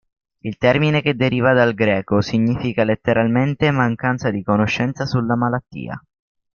Il termine, che deriva dal greco, significa letteralmente "mancanza di conoscenza sulla malattia".